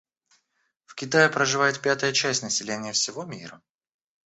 В Китае проживает пятая часть населения всего мира.